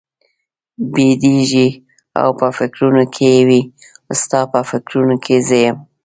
بېدېږي او په فکرونو کې وي، ستا په فکرونو کې زه یم؟